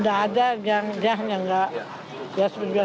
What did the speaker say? nggak ada yang yang yang nggak ya sudah nasihat supaya supaya gitu gitu